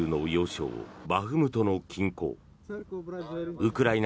ウクライナ